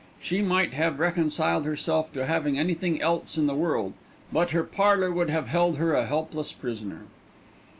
She might have reconciled herself to leaving anything else in the world, but her parlour would have held her a helpless prisoner.